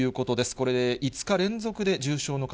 これで５日連続で重症の方